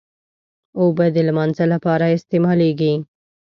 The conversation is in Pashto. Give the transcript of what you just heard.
اوبه د لمانځه لپاره استعمالېږي.